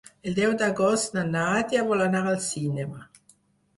El deu d'agost na Nàdia vol anar al cinema.